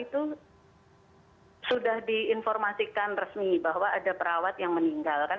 itu sudah diinformasikan resmi bahwa ada perawat yang meninggal kan